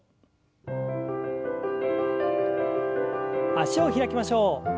脚を開きましょう。